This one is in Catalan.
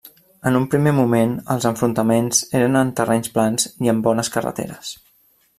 En un primer moment els enfrontaments eren en terrenys plans i amb bones carreteres.